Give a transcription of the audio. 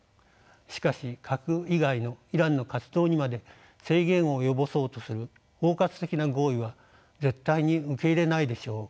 しかし核以外のイランの活動にまで制限を及ぼそうとする包括的な合意は絶対に受け入れないでしょう。